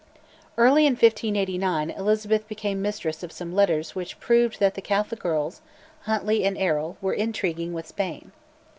Early in 1589 Elizabeth became mistress of some letters which proved that the Catholic earls, Huntly and Errol, were intriguing with Spain.